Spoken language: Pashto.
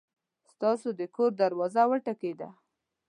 ستاسو د کور دروازه وټکېده!